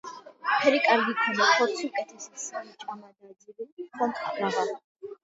ფერი კარგი ქონდა, ხორცი უკეთესი სმა-ჭამა და ძილი ხომ - რაღა ....